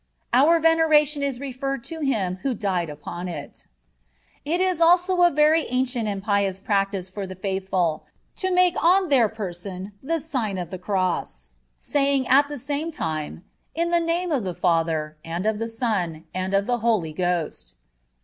Our veneration is referred to Him who died upon it. It is also a very ancient and pious practice for the faithful to make on their person the sign of the Cross, saying at the same time: "In the name of the Father, and of the Son, and of the Holy Ghost."